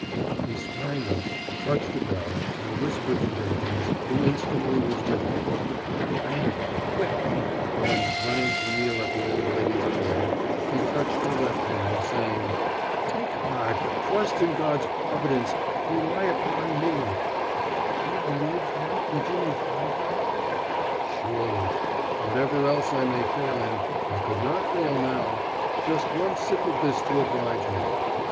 He sprang up, touched a bell, and whispered to Jenkins, who instantly was with him: "Brandy quick." Then, running to kneel at the old lady's chair, he touched her left hand, saying: "Take heart trust in God's Providence rely upon me." "You believe, then, that you may find her ?" "Surely: whatever else I may fail in, I could not fail now.... Just one sip of this to oblige me."